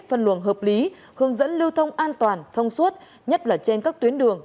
phân luồng hợp lý hướng dẫn lưu thông an toàn thông suốt nhất là trên các tuyến đường